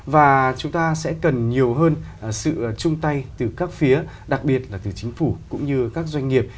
và chúng ta sẽ cần nhiều hơn sự chung tay từ các phía đặc biệt là từ chính phủ cũng như các doanh nghiệp